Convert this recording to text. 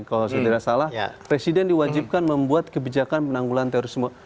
kalau saya tidak salah presiden diwajibkan membuat kebijakan penanggulan terorisme